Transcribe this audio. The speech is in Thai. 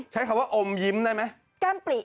ใช้คำว่าอมยิ้มได้ไหม